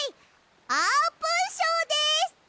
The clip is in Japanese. あーぷんショーです！